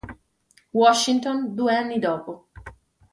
Washington, due anni dopo.